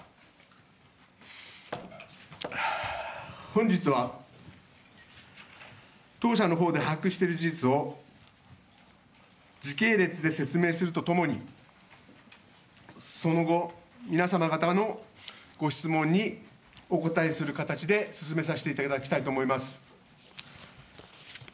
本日は、当社の方で把握している事実を時系列で説明するとともにその後、皆様方のご質問にお答えする形で進めさせていただきたいと思います。